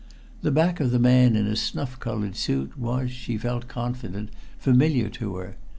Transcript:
The back of the man in a snuff colored suit was, she felt confident, familiar to her.